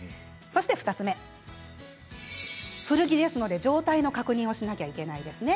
２つ目古着ですので状態の確認をしなきゃいけないですね。